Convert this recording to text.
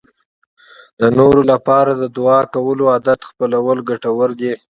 د نورو لپاره د دعا کولو عادت خپلول ګټور دی.